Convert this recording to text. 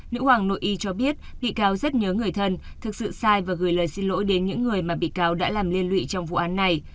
nữ hoàng nội y cho biết bị cáo rất nhớ người thân thực sự sai và gửi lời xin lỗi đến những người mà bị cáo đã làm liên lụy trong vụ án này